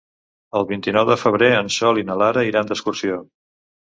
El vint-i-nou de febrer en Sol i na Lara iran d'excursió.